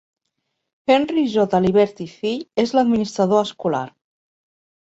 Henry J. Aliberti, fill és l'administrador escolar.